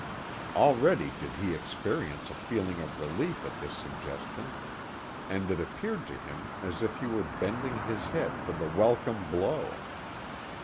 Already did he experience a feeling of relief at this suggestion, and it appeared to him as if he were bending his head for the welcome blow.